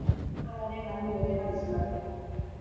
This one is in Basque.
Hala ere, landun gehienak gizonak dira.